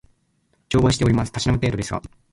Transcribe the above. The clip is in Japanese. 乗馬をしております。たしなむ程度ですが